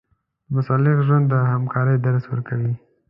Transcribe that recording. د محصل ژوند د همکارۍ درس ورکوي.